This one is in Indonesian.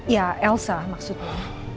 ya elsa maksudnya